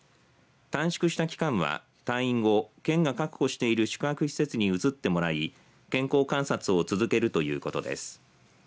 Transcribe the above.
短縮した期間は、退院後県が確保している宿泊施設に移ってもらい健康観察を続けるということです。